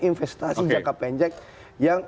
investasi jangka penjag yang